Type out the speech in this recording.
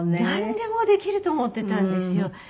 なんでもできると思ってたんですよ。